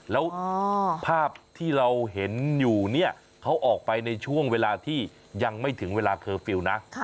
แล้วภาพที่เราเห็นอยู่เนี่ยเขาออกไปในช่วงเวลาที่ยังไม่ถึงเวลาเคอร์ฟิลล์นะ